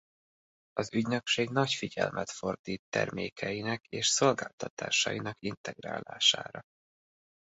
Az ügynökség nagy figyelmet fordít termékeinek és szolgáltatásainak integrálására.